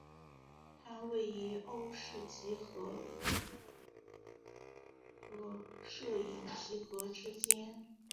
它位于欧氏几何和射影几何之间。